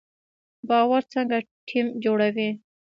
باور څنګه ټیم جوړوي؟